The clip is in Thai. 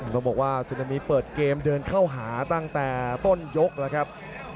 ต้องบอกว่าซึนามีเปิดเกมเดินเข้าหาตั้งแต่ต้นยกแล้วครับ